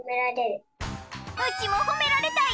ウチもほめられたい！